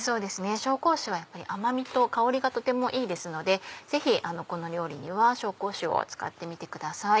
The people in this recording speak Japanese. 紹興酒は甘みと香りがとてもいいですのでぜひこの料理には紹興酒を使ってみてください。